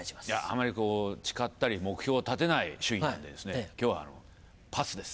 あまり誓ったり目標を立てない主義なんでね今日はパスです。